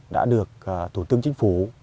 đã được tổ tướng chính phủ